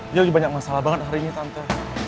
dia lagi banyak masalah banget hari ini tante